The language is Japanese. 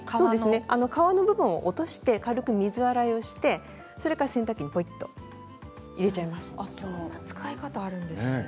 皮の部分を落として軽く水洗いをして、それから洗濯機にぽいっと入れちゃいます。